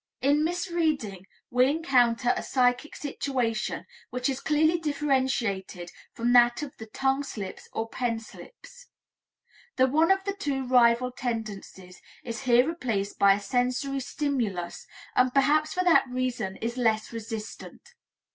In misreading, we encounter a psychic situation which is clearly differentiated from that of the tongue slips or pen slips. The one of the two rival tendencies is here replaced by a sensory stimulus and perhaps for that reason is less resistant.